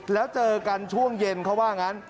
แล้วเจอกันช่วงเย็นเขาว่างั้น